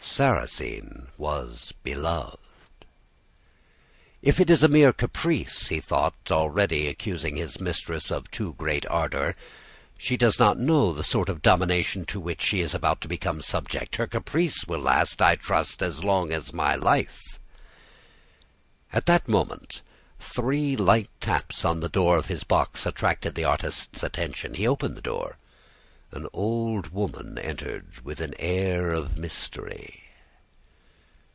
Sarrasine was beloved! "'If it is a mere caprice,' he thought, already accusing his mistress of too great ardor, 'she does not know the sort of domination to which she is about to become subject. Her caprice will last, I trust, as long as my life.' "At that moment, three light taps on the door of his box attracted the artist's attention. He opened the door. An old woman entered with an air of mystery.